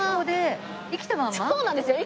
そうなんですよ